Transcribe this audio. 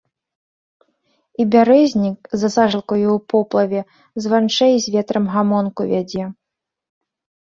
І бярэзнік за сажалкаю ў поплаве званчэй з ветрам гамонку вядзе.